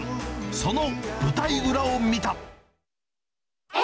その舞台裏を見た。